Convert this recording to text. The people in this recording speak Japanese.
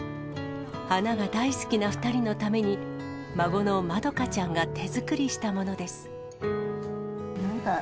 花が大好きな２人のために、孫のまどかちゃんが手作りしたものです。